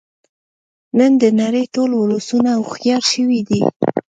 نن د نړۍ ټول ولسونه هوښیار شوی دی